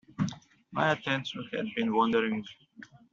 My attention had been wandering.